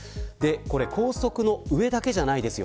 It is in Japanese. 高速の上だけじゃないですよ。